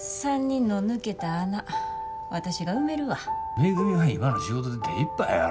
めぐみは今の仕事で手いっぱいやろ。